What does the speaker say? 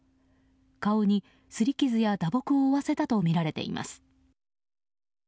顔に擦り傷や打撲を負わせたとみられています。